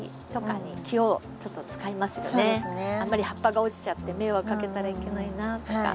あんまり葉っぱが落ちちゃって迷惑かけたらいけないなとか。